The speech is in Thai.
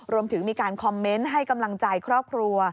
รวมถึงมีการคอมเมนต์ให้กำลังใจครอบครัว